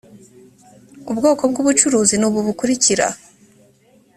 ubwoko bw ubucuruzi ni ubu bukurikira.